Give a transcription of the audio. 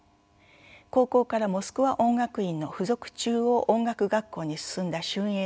高校からモスクワ音楽院の付属中央音楽学校に進んだ俊英です。